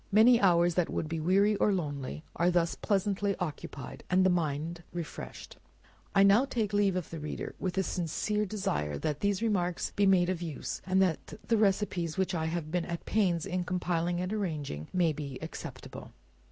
Many hours that would be weary or lonely, are thus pleasantly occupied, and the mind refreshed. I now take leave of the reader, with a sincere desire, that these remarks may be of use, and that the receipts which I have been at some pains in compiling and arranging, may be acceptable.